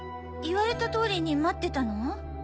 言われたとおりに待ってたの？